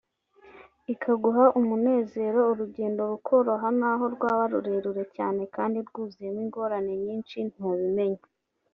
ikaguha umunezero; urugendo rukoroha n’aho rwaba rurerure cyane kandi rwuzuyemo ingorane nyinshi ntubimenya